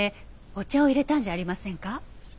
お茶を淹れたんじゃありませんか？